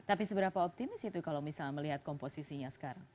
tapi seberapa optimis itu kalau misalnya melihat komposisinya sekarang